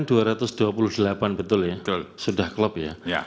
betul ya betul sudah kolop ya ya